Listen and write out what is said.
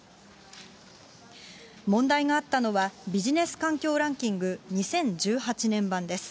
問題があったのは、ビジネス環境ランキング２０１８年版です。